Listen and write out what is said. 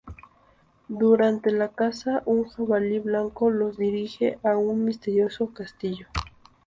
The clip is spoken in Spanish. Durante la caza, un jabalí blanco los dirige a un misterioso castillo.